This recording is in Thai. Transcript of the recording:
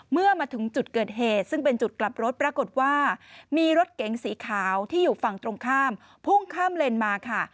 เมื่อมาถึงจุดเกิดเหตุซึ่งเป็นจุดกลับรถปรากฏว่ามีรถเก๋งสีขาวที่อยู่ฝั่งตรงข้ามพุ่งข้ามเลนมาค่ะ